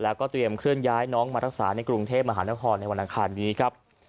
แล้วก็เตรียมเคลื่อนย้ายน้องมารักษาในกรุงเทพมหานครในวันอังคารนี้ครับ